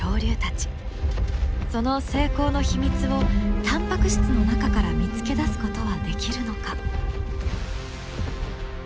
その成功の秘密をタンパク質の中から見つけ出すことはできるのか？